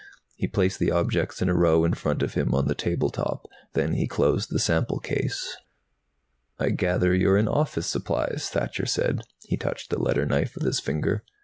He placed the objects in a row in front of him on the table top. Then he closed the sample case. "I gather you're in office supplies," Thacher said. He touched the letter knife with his finger.